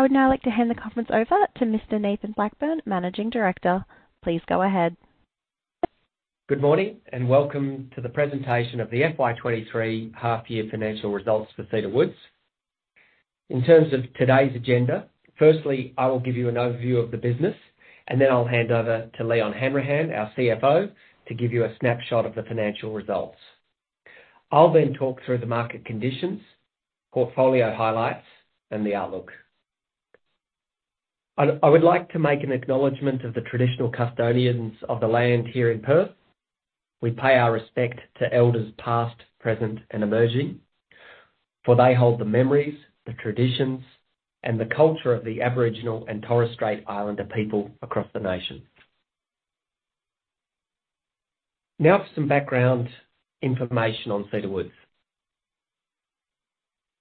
I would now like to hand the conference over to Mr. Nathan Blackburne, Managing Director. Please go ahead. Good morning, welcome to the presentation of the FY23 half-year financial results for Cedar Woods. In terms of today's agenda, firstly, I will give you an overview of the business. I'll hand over to Leon Hanrahan, our CFO, to give you a snapshot of the financial results. I'll talk through the market conditions, portfolio highlights, and the outlook. I would like to make an acknowledgment of the traditional custodians of the land here in Perth. We pay our respect to elders past, present, and emerging, for they hold the memories, the traditions, and the culture of the Aboriginal and Torres Strait Islander people across the nation. For some background information on Cedar Woods.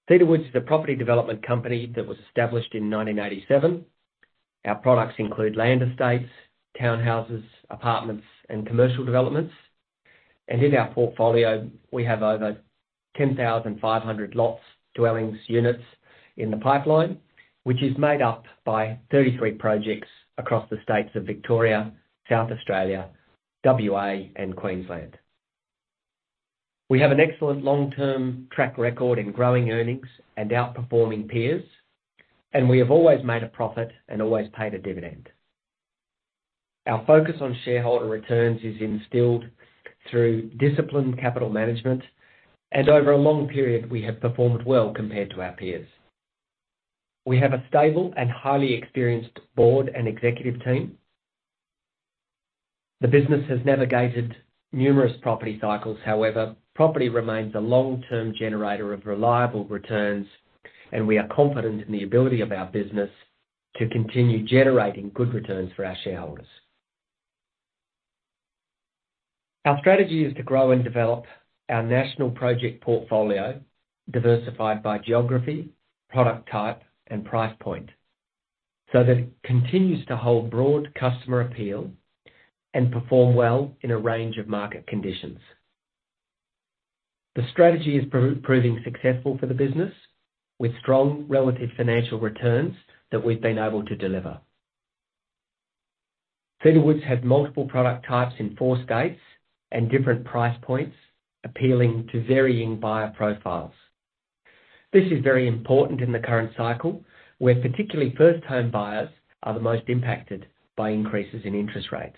Cedar Woods is a property development company that was established in 1987. Our products include land estates, townhouses, apartments, and commercial developments. In our portfolio, we have over 10,500 lots, dwellings, units in the pipeline, which is made up by 33 projects across the states of Victoria, South Australia, WA, and Queensland. We have an excellent long-term track record in growing earnings and outperforming peers. We have always made a profit and always paid a dividend. Our focus on shareholder returns is instilled through disciplined capital management. Over a long period, we have performed well compared to our peers. We have a stable and highly experienced board and executive team. The business has navigated numerous property cycles. Property remains a long-term generator of reliable returns. We are confident in the ability of our business to continue generating good returns for our shareholders. Our strategy is to grow and develop our national project portfolio, diversified by geography, product type, and price point, so that it continues to hold broad customer appeal and perform well in a range of market conditions. The strategy is proving successful for the business with strong relative financial returns that we've been able to deliver. Cedar Woods has multiple product types in four states and different price points, appealing to varying buyer profiles. This is very important in the current cycle, where particularly first-time buyers are the most impacted by increases in interest rates.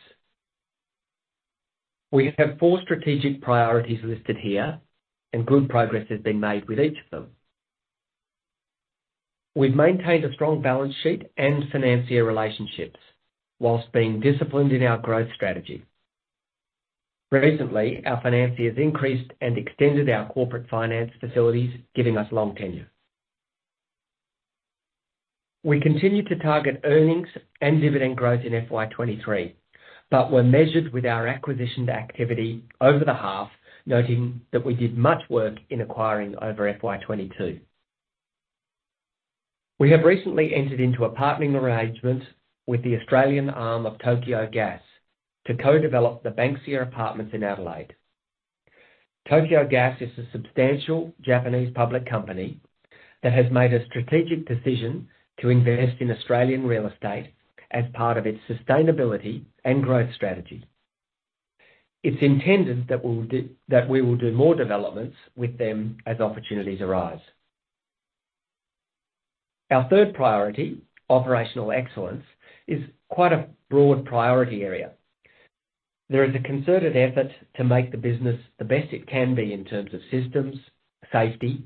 We have four strategic priorities listed here, and good progress has been made with each of them. We've maintained a strong balance sheet and financier relationships while being disciplined in our growth strategy. Recently, our financiers increased and extended our corporate finance facilities, giving us long tenure. We continue to target earnings and dividend growth in FY23, but were measured with our acquisition activity over the half, noting that we did much work in acquiring over FY22. We have recently entered into a partnering arrangement with the Australian arm of Tokyo Gas to co-develop the Banksia Apartments in Adelaide. Tokyo Gas is a substantial Japanese public company that has made a strategic decision to invest in Australian real estate as part of its sustainability and growth strategy. It's intended that we will do more developments with them as opportunities arise. Our third priority, operational excellence, is quite a broad priority area. There is a concerted effort to make the business the best it can be in terms of systems, safety,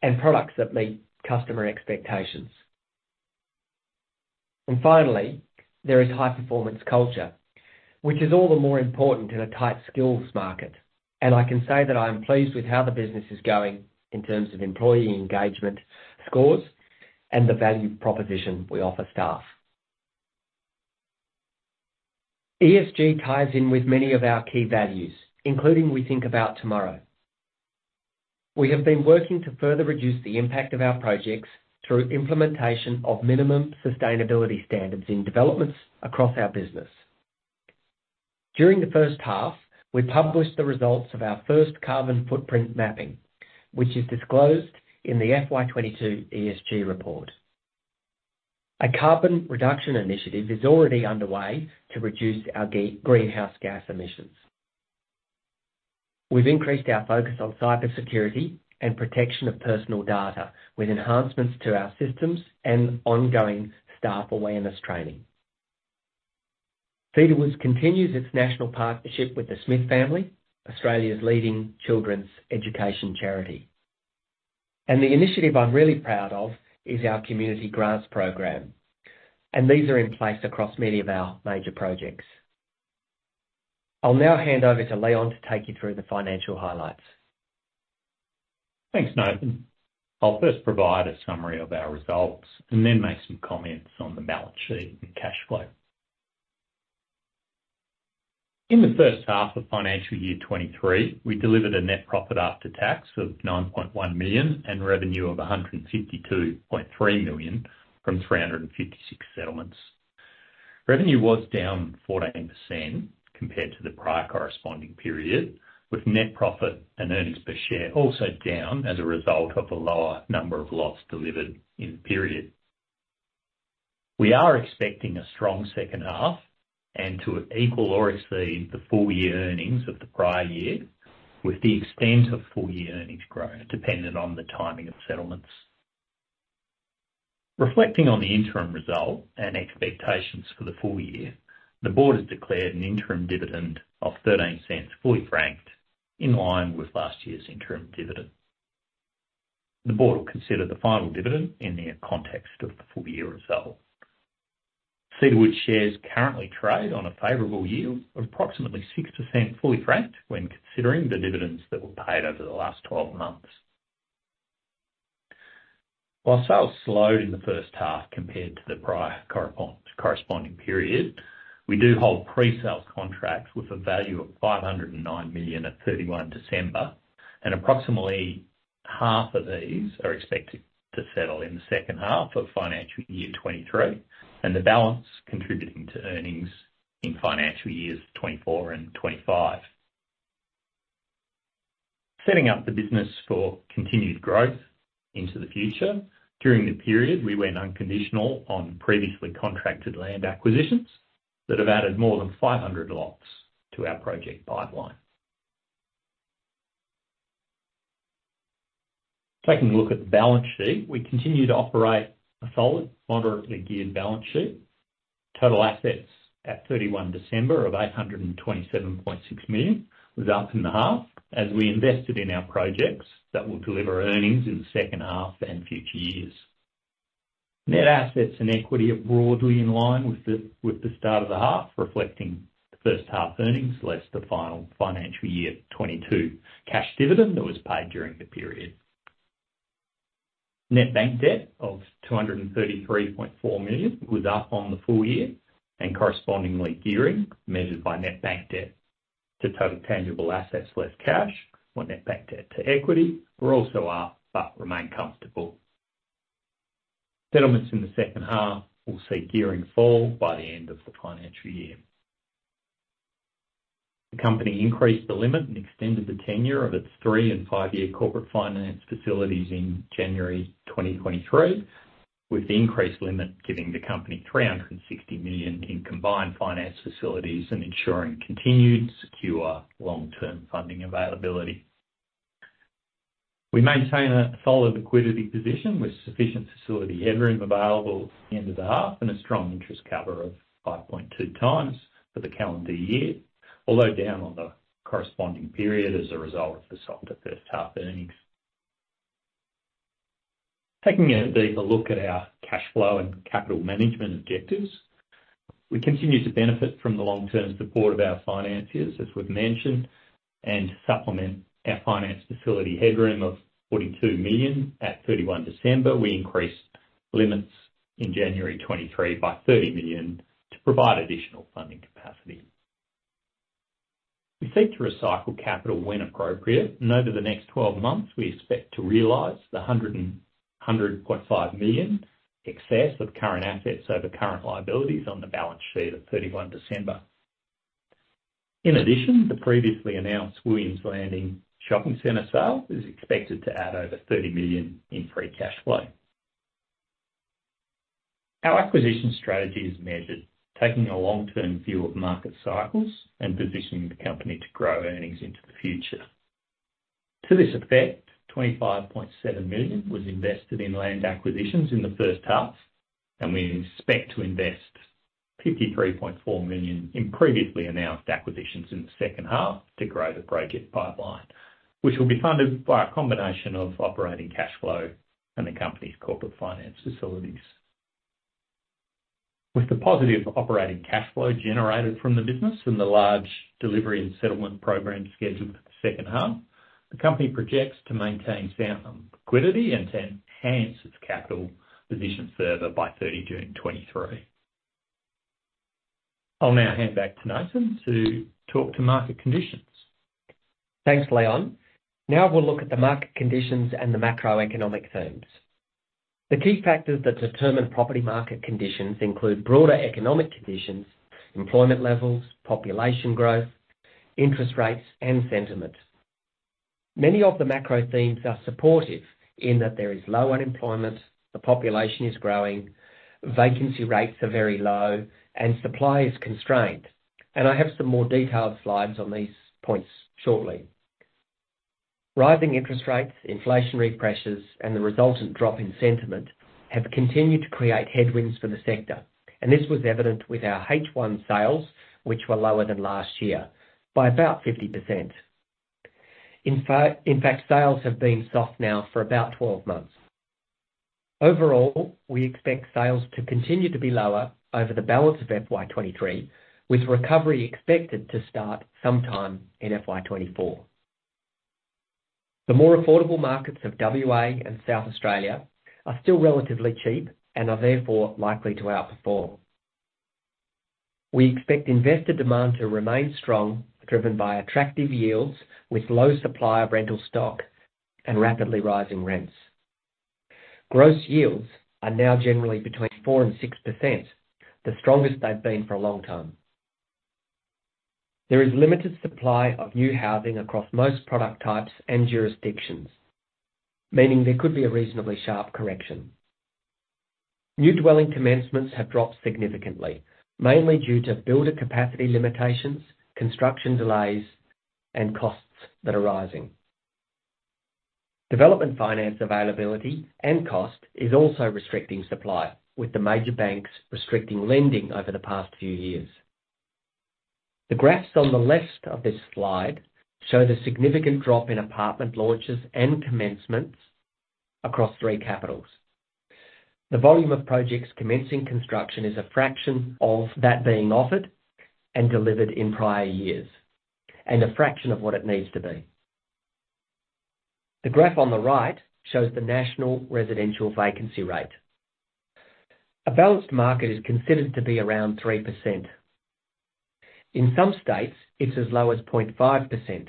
and products that meet customer expectations. Finally, there is high-performance culture, which is all the more important in a tight skills market. I can say that I am pleased with how the business is going in terms of employee engagement scores and the value proposition we offer staff. ESG ties in with many of our key values, including we think about tomorrow. We have been working to further reduce the impact of our projects through implementation of minimum sustainability standards in developments across our business. During the first half, we published the results of our first carbon footprint mapping, which is disclosed in the FY22 ESG report. A carbon reduction initiative is already underway to reduce our greenhouse gas emissions. We've increased our focus on cybersecurity and protection of personal data with enhancements to our systems and ongoing staff awareness training. Cedar Woods continues its national partnership with The Smith Family, Australia's leading children's education charity. The initiative I'm really proud of is our community grants program. These are in place across many of our major projects. I'll now hand over to Leon to take you through the financial highlights. Thanks, Nathan. I'll first provide a summary of our results and then make some comments on the balance sheet and cash flow. In the first half of fiscal year 2023, we delivered a net profit after tax of 9.1 million and revenue of 152.3 million from 356 settlements. Revenue was down 14% compared to the prior corresponding period, with net profit and earnings per share also down as a result of the lower number of lots delivered in the period. We are expecting a strong second half and to equal or exceed the full year earnings of the prior year with the extent of full year earnings growth dependent on the timing of settlements. Reflecting on the interim result and expectations for the full year, the board has declared an interim dividend of 0.13 fully franked in line with last year's interim dividend. The board will consider the final dividend in the context of the full year result. Cedar Woods shares currently trade on a favorable yield of approximately 6% fully franked when considering the dividends that were paid over the last 12 months. While sales slowed in the first half compared to the prior corresponding period, we do hold pre-sale contracts with a value of 509 million at 31 December, and approximately half of these are expected to settle in the second half of financial year 23, and the balance contributing to earnings in financial years 24 and 25. Setting up the business for continued growth into the future. During the period, we went unconditional on previously contracted land acquisitions that have added more than 500 lots to our project pipeline. Taking a look at the balance sheet, we continue to operate a solid, moderately geared balance sheet. Total assets at 31 December of 827.6 million, was up in the half as we invested in our projects that will deliver earnings in the second half and future years. Net assets and equity are broadly in line with the start of the half, reflecting the first half earnings, less the final financial year 2022 cash dividend that was paid during the period. Net bank debt of 233.4 million was up on the full year and correspondingly gearing measured by net bank debt to total tangible assets less cash, or net bank debt to equity were also up, but remain comfortable. Settlements in the second half will see gearing fall by the end of the financial year. The company increased the limit and extended the tenure of its three and five-year corporate finance facilities in January 2023, with the increased limit giving the company 360 million in combined finance facilities and ensuring continued secure long-term funding availability. We maintain a solid liquidity position with sufficient facility headroom available at the end of the half and a strong interest cover of 5.2 times for the calendar year, although down on the corresponding period as a result of the softer first half earnings. Taking a deeper look at our cash flow and capital management objectives, we continue to benefit from the long-term support of our financiers, as we've mentioned, and supplement our finance facility headroom of 42 million. At 31 December, we increased limits in January 2023 by 30 million to provide additional funding capacity. We seek to recycle capital when appropriate, and over the next 12 months, we expect to realize the 100.5 million excess of current assets over current liabilities on the balance sheet of 31 December. In addition, the previously announced Williams Landing Shopping Centre sale is expected to add over 30 million in free cash flow. Our acquisition strategy is measured, taking a long-term view of market cycles and positioning the company to grow earnings into the future. To this effect, 25.7 million was invested in land acquisitions in the first half, and we expect to invest 53.4 million in previously announced acquisitions in the second half to grow the project pipeline, which will be funded by a combination of operating cash flow and the company's corporate finance facilities. With the positive operating cash flow generated from the business and the large delivery and settlement program scheduled for the second half, the company projects to maintain sound liquidity and to enhance its capital position further by thirty June 2023. I'll now hand back to Nathan to talk to market conditions. Thanks, Leon. Now we'll look at the market conditions and the macroeconomic themes. The key factors that determine property market conditions include broader economic conditions, employment levels, population growth, interest rates, and sentiment. Many of the macro themes are supportive in that there is low unemployment, the population is growing, vacancy rates are very low, and supply is constrained. I have some more detailed slides on these points shortly. Rising interest rates, inflationary pressures, and the resultant drop in sentiment have continued to create headwinds for the sector, and this was evident with our H1 sales, which were lower than last year by about 50%. In fact, sales have been soft now for about 12 months. Overall, we expect sales to continue to be lower over the balance of FY23, with recovery expected to start sometime in FY24. The more affordable markets of WA and South Australia are still relatively cheap and are therefore likely to outperform. We expect investor demand to remain strong, driven by attractive yields with low supply of rental stock and rapidly rising rents. Gross yields are now generally between 4% and 6%, the strongest they've been for a long time. There is limited supply of new housing across most product types and jurisdictions, meaning there could be a reasonably sharp correction. New dwelling commencements have dropped significantly, mainly due to builder capacity limitations, construction delays, and costs that are rising. Development finance availability and cost is also restricting supply, with the major banks restricting lending over the past few years. The graphs on the left of this slide show the significant drop in apartment launches and commencements across three capitals. The volume of projects commencing construction is a fraction of that being offered and delivered in prior years, a fraction of what it needs to be. The graph on the right shows the national residential vacancy rate. A balanced market is considered to be around 3%. In some states, it's as low as 0.5%,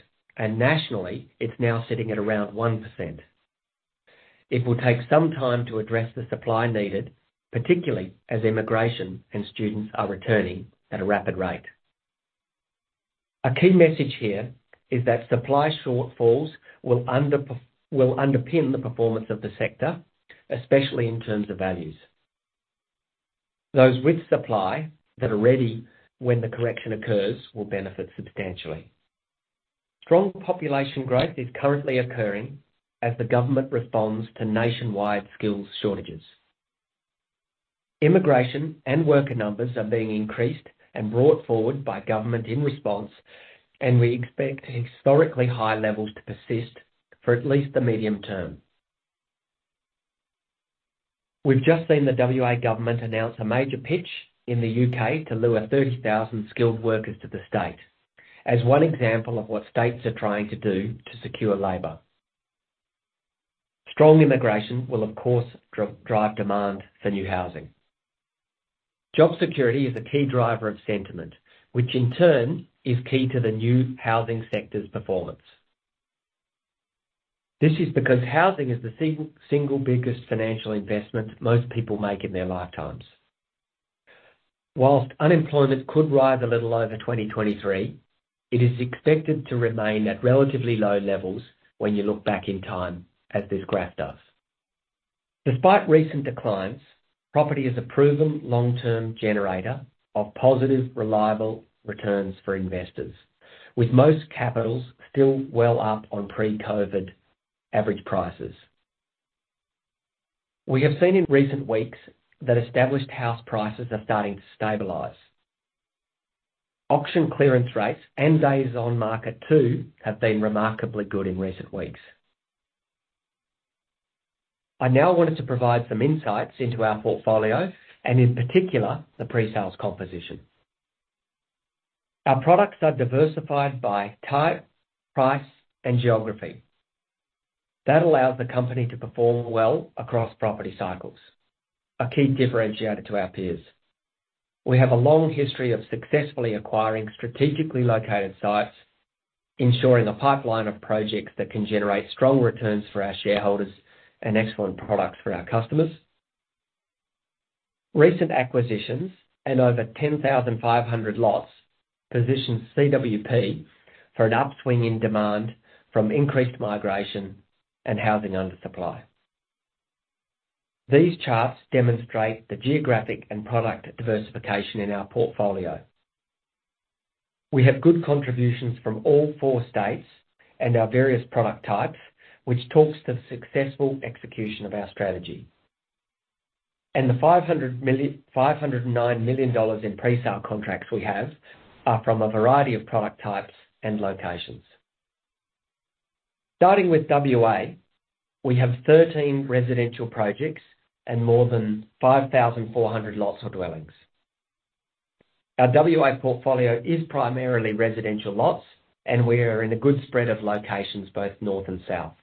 nationally, it's now sitting at around 1%. It will take some time to address the supply needed, particularly as immigration and students are returning at a rapid rate. A key message here is that supply shortfalls will underpin the performance of the sector, especially in terms of values. Those with supply that are ready when the correction occurs will benefit substantially. Strong population growth is currently occurring as the government responds to nationwide skills shortages. Immigration and worker numbers are being increased and brought forward by government in response, and we expect historically high levels to persist for at least the medium term. We've just seen the WA government announce a major pitch in the UK to lure 30,000 skilled workers to the state, as one example of what states are trying to do to secure labor. Strong immigration will, of course, drive demand for new housing. Job security is a key driver of sentiment, which in turn is key to the new housing sector's performance. This is because housing is the single biggest financial investment most people make in their lifetimes. While unemployment could rise a little over 2023, it is expected to remain at relatively low levels when you look back in time, as this graph does. Despite recent declines, property is a proven long-term generator of positive, reliable returns for investors. With most capitals still well up on pre-COVID average prices. We have seen in recent weeks that established house prices are starting to stabilize. Auction clearance rates and days on market too have been remarkably good in recent weeks. I now wanted to provide some insights into our portfolio and in particular, the presales composition. Our products are diversified by type, price, and geography. That allows the company to perform well across property cycles, a key differentiator to our peers. We have a long history of successfully acquiring strategically located sites, ensuring a pipeline of projects that can generate strong returns for our shareholders and excellent products for our customers. Over 10,500 lots positions CWP for an upswing in demand from increased migration and housing undersupply. These charts demonstrate the geographic and product diversification in our portfolio. We have good contributions from all four states and our various product types, which talks to the successful execution of our strategy. The 509 million dollars in presale contracts we have are from a variety of product types and locations. Starting with WA, we have 13 residential projects and more than 5,400 lots or dwellings. Our WA portfolio is primarily residential lots. We are in a good spread of locations, both north and south.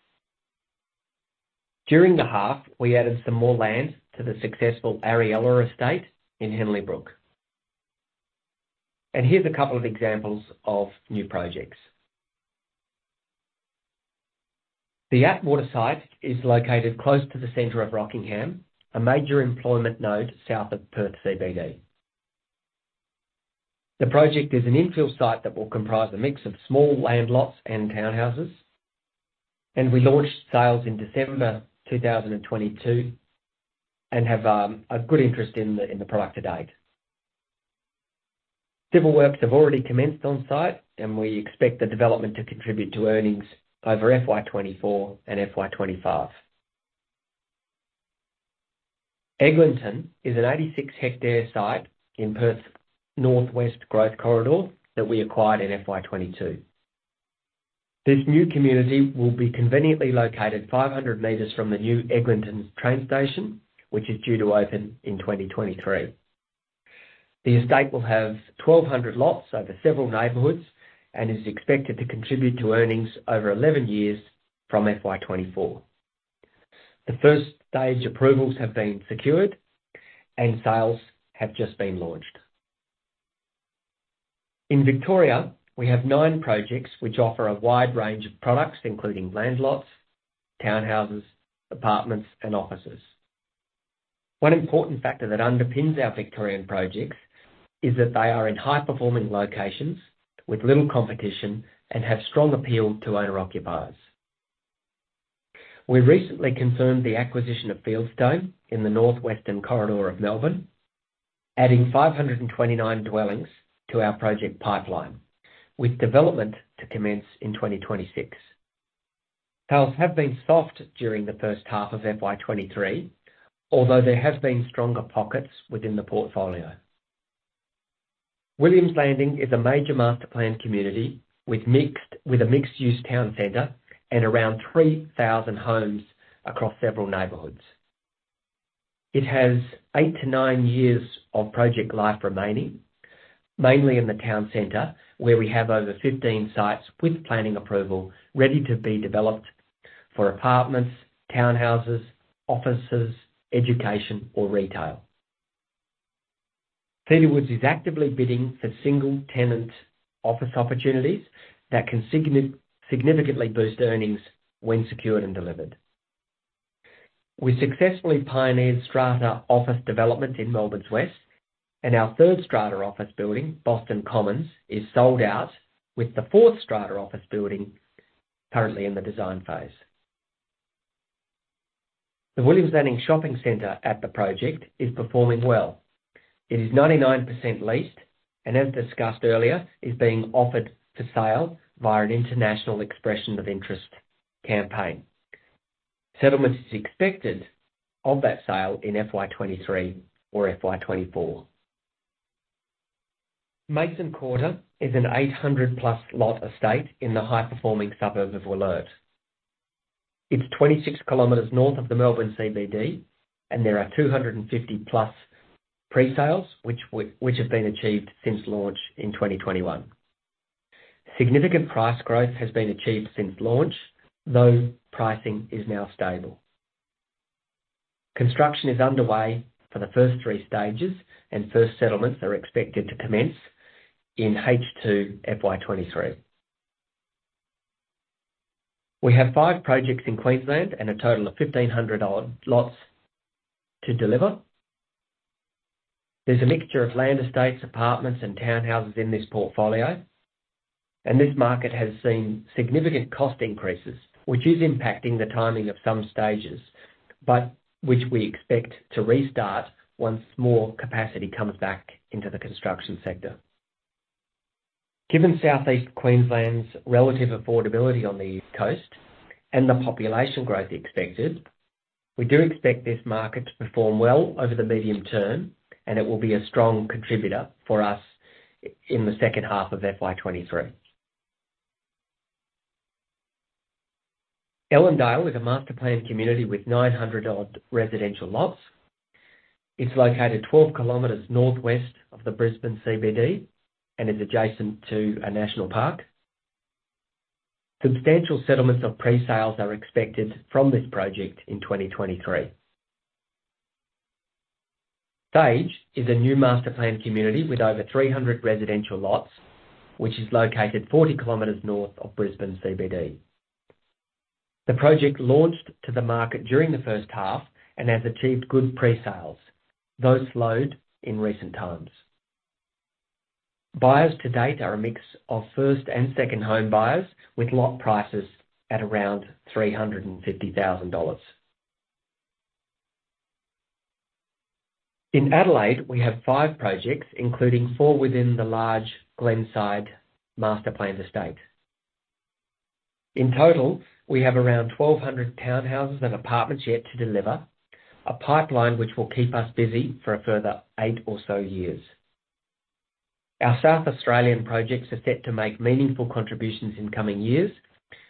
During the half, we added some more land to the successful Ariella estate in Henley Brook. Here's a couple of examples of new projects. The Atwater site is located close to the center of Rockingham, a major employment node south of Perth CBD. The project is an infill site that will comprise a mix of small land lots and townhouses. We launched sales in December 2022, and have a good interest in the product to date. Civil works have already commenced on-site, and we expect the development to contribute to earnings over FY24 and FY25. Eglinton is an 86 hectare site in Perth's Northwest growth corridor that we acquired in FY22. This new community will be conveniently located 500 meters from the new Eglinton train station, which is due to open in 2023. The estate will have 1,200 lots over several neighborhoods and is expected to contribute to earnings over 11 years from FY24. The first stage approvals have been secured and sales have just been launched. In Victoria, we have nine projects which offer a wide range of products, including land lots, townhouses, apartments, and offices. One important factor that underpins our Victorian projects is that they are in high-performing locations with little competition and have strong appeal to owner-occupiers. We recently confirmed the acquisition of Fieldstone in the northwestern corridor of Melbourne, adding 529 dwellings to our project pipeline, with development to commence in 2026. Sales have been soft during the first half of FY23, although there have been stronger pockets within the portfolio. Williams Landing is a major masterplanned community with a mixed-use town center and around 3,000 homes across several neighborhoods. It has eight to nine years of project life remaining, mainly in the town center, where we have over 15 sites with planning approval ready to be developed for apartments, townhouses, offices, education or retail. Cedar Woods is actively bidding for single-tenant office opportunities that can significantly boost earnings when secured and delivered. We successfully pioneered strata office development in Melbourne's west, and our third strata office building, Boston Commons is sold out with the fourth strata office building currently in the design phase. The Williams Landing Shopping Center at the project is performing well. It is 99% leased and as discussed earlier, is being offered for sale via an international expression of interest campaign. Settlement is expected of that sale in FY23 or FY24. Mason Quarter is an 800-plus lot estate in the high-performing suburb of Wollert. It's 26 kilometers north of the Melbourne CBD. There are 250+ pre-sales which have been achieved since launch in 2021. Significant price growth has been achieved since launch, though pricing is now stable. Construction is underway for the first three stages. First settlements are expected to commence in H2 FY23. We have five projects in Queensland and a total of 1,500 odd lots to deliver. There's a mixture of land, estates, apartments and townhouses in this portfolio. This market has seen significant cost increases, which is impacting the timing of some stages, but which we expect to restart once more capacity comes back into the construction sector. Given Southeast Queensland's relative affordability on the East Coast and the population growth expected, we do expect this market to perform well over the medium term, and it will be a strong contributor for us in the second half of FY23. Ellendale is a master-planned community with 900 odd residential lots. It's located 12 km northwest of the Brisbane CBD and is adjacent to a national park. Substantial settlements of pre-sales are expected from this project in 2023. Sage is a new master-planned community with over 300 residential lots, which is located 40 km north of Brisbane CBD. The project launched to the market during the first half and has achieved good pre-sales, though slowed in recent times. Buyers to date are a mix of first and second home buyers, with lot prices at around 350,000 dollars. In Adelaide, we have 5 projects, including 4 within the large Glenside master-planned estate. In total, we have around 1,200 townhouses and apartments yet to deliver, a pipeline which will keep us busy for a further 8 or so years. Our South Australian projects are set to make meaningful contributions in coming years,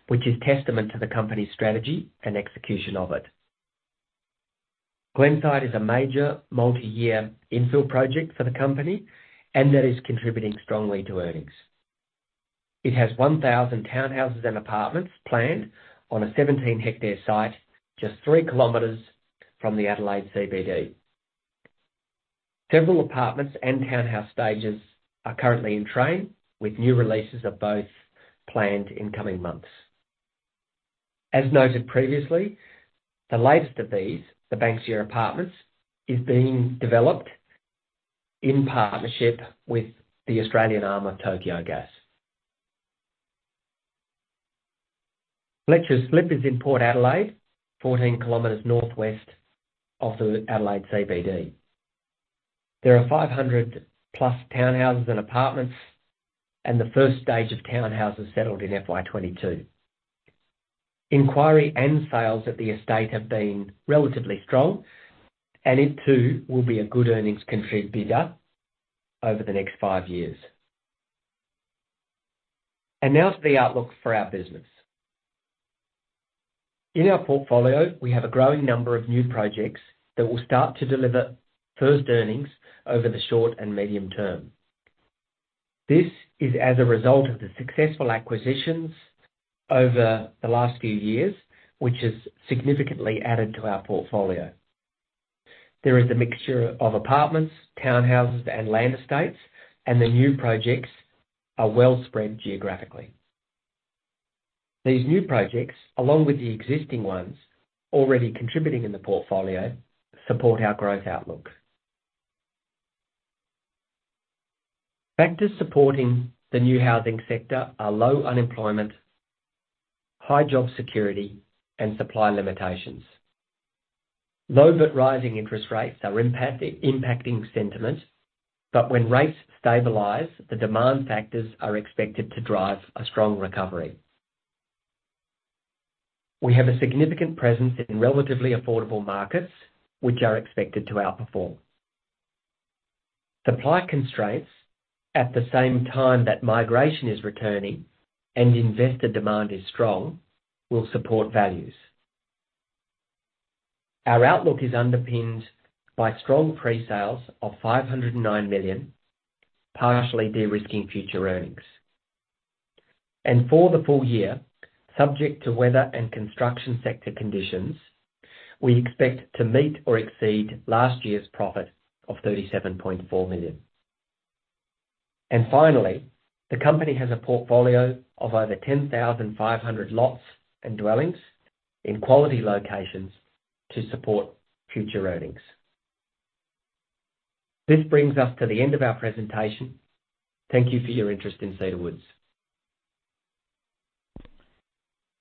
which is testament to the company's strategy and execution of it. Glenside is a major multi-year infill project for the company and that is contributing strongly to earnings. It has 1,000 townhouses and apartments planned on a 17-hectare site just three kilometers from the Adelaide CBD. Several apartments and townhouse stages are currently in train, with new releases of both planned in coming months. As noted previously, the latest of these, the Banksia Apartments, is being developed in partnership with the Australian arm of Tokyo Gas. Fletcher's Slip is in Port Adelaide, 14 kilometers northwest of the Adelaide CBD. There are 500+ townhouses and apartments. The first stage of townhouses settled in FY22. Inquiry and sales at the estate have been relatively strong, it too will be a good earnings contributor over the next five years. Now to the outlook for our business. In our portfolio, we have a growing number of new projects that will start to deliver first earnings over the short and medium term. This is as a result of the successful acquisitions over the last few years, which has significantly added to our portfolio. There is a mixture of apartments, townhouses, and land estates, the new projects are well spread geographically. These new projects, along with the existing ones already contributing in the portfolio, support our growth outlook. Factors supporting the new housing sector are low unemployment, high job security, and supply limitations. Low but rising interest rates are impacting sentiment. When rates stabilize, the demand factors are expected to drive a strong recovery. We have a significant presence in relatively affordable markets which are expected to outperform. Supply constraints, at the same time that migration is returning and investor demand is strong, will support values. Our outlook is underpinned by strong pre-sales of 509 million, partially de-risking future earnings. For the full year, subject to weather and construction sector conditions, we expect to meet or exceed last year's profit of 37.4 million. Finally, the company has a portfolio of over 10,500 lots and dwellings in quality locations to support future earnings. This brings us to the end of our presentation. Thank you for your interest in Cedar Woods.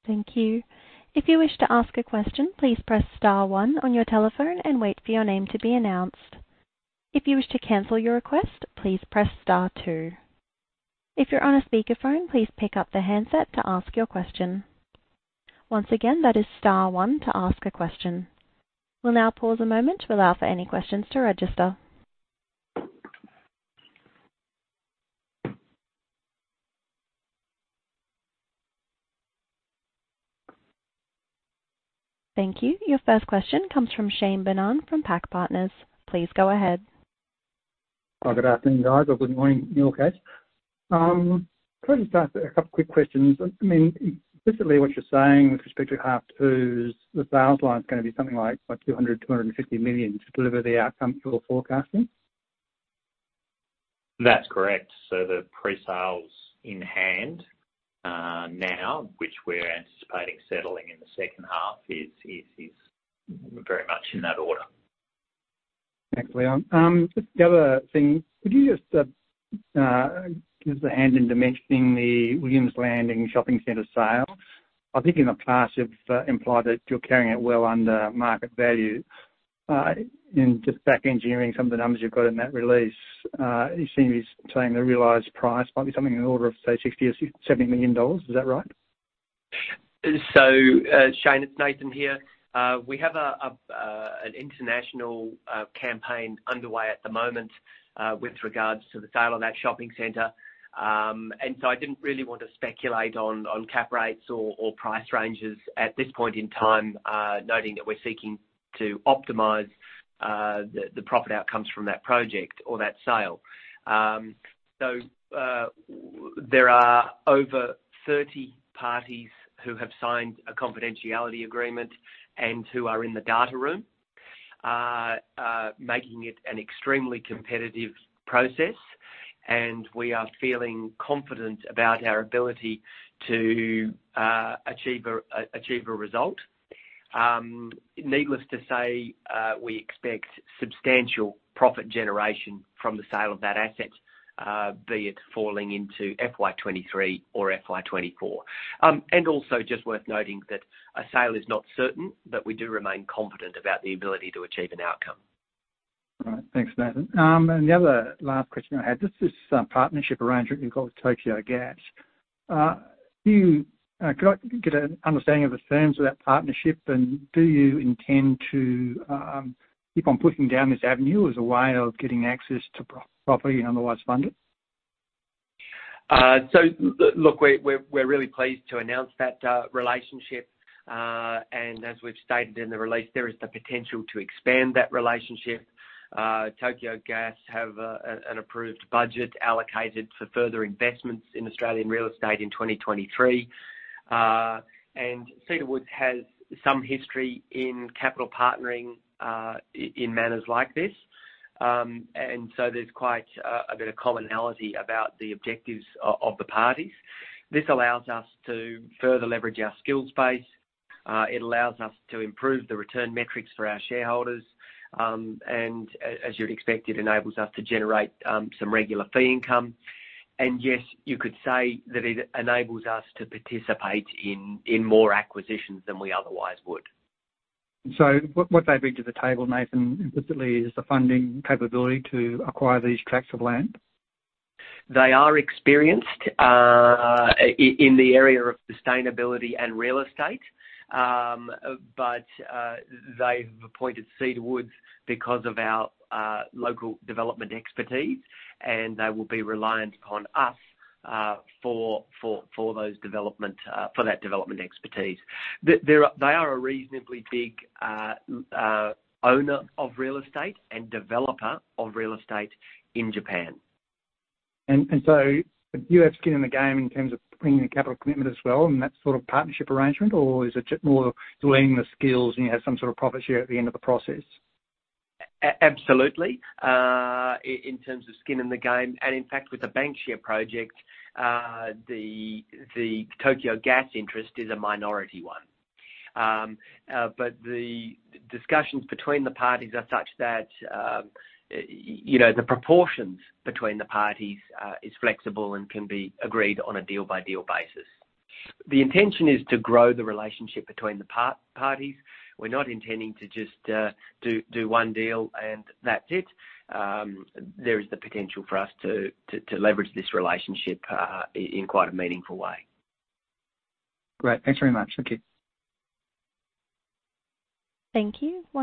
Thank you. If you wish to ask a question, please press star one on your telephone and wait for your name to be announced. If you wish to cancel your request, please press star two. If you're on a speakerphone, please pick up the handset to ask your question. Once again, that is star one to ask a question. We'll now pause a moment to allow for any questions to register. Thank you. Your first question comes from Shane Bannan from PAC Partners. Please go ahead. Hi, good afternoon, guys, or good morning in your case. Can I just ask a couple quick questions? I mean, explicitly what you're saying with respect to H2s, the sales line is gonna be something like, what, 200 million-250 million to deliver the outcome you're forecasting? That's correct. The pre-sales in hand, now, which we're anticipating settling in the second half is very much in that order. Thanks, Leon. Just the other thing, could you just give us a hand in dimensioning the Williams Landing Shopping Centre sale? I think in the past you've implied that you're carrying it well under market value. In just back engineering some of the numbers you've got in that release, it seems he's saying the realized price might be something in the order of, say, 60 million or 70 million dollars. Is that right? Shane, it's Nathan here. We have an international campaign underway at the moment with regards to the sale of that Williams Landing Shopping Centre. I didn't really want to speculate on cap rates or price ranges at this point in time, noting that we're seeking to optimize the profit outcomes from that project or that sale. There are over 30 parties who have signed a confidentiality agreement and who are in the data room, making it an extremely competitive process, and we are feeling confident about our ability to achieve a result. Needless to say, we expect substantial profit generation from the sale of that asset, be it falling into FY23 or FY24. Just worth noting that a sale is not certain, but we do remain confident about the ability to achieve an outcome. All right. Thanks, Nathan. The other last question I had, this is some partnership arrangement you've got with Tokyo Gas. Could I get an understanding of the terms of that partnership, and do you intend to keep on pushing down this avenue as a way of getting access to property otherwise funded? Look, we're really pleased to announce that relationship, and as we've stated in the release, there is the potential to expand that relationship. Tokyo Gas have an approved budget allocated for further investments in Australian real estate in 2023. Cedar Woods has some history in capital partnering in manners like this. There's quite a bit of commonality about the objectives of the parties. This allows us to further leverage our skills base. It allows us to improve the return metrics for our shareholders. As you'd expect, it enables us to generate some regular fee income. Yes, you could say that it enables us to participate in more acquisitions than we otherwise would. What they bring to the table, Nathan, implicitly, is the funding capability to acquire these tracts of land? They are experienced in the area of sustainability and real estate. They've appointed Cedar Woods because of our local development expertise, and they will be reliant upon us for those development for that development expertise. They are a reasonably big owner of real estate and developer of real estate in Japan. Do you have skin in the game in terms of bringing a capital commitment as well in that sort of partnership arrangement or is it more lending the skills and you have some sort of profit share at the end of the process? Absolutely, in terms of skin in the game. In fact with the Banksia project, the Tokyo Gas interest is a minority one. The discussions between the parties are such that, you know, the proportions between the parties is flexible and can be agreed on a deal-by-deal basis. The intention is to grow the relationship between the parties. We're not intending to just do one deal, and that's it. There is the potential for us to leverage this relationship in quite a meaningful way. Great. Thanks very much. Thank you. Thank you.